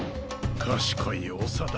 賢い長だ。